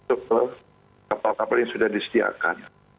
untuk ke kapal kapal yang sudah disediakan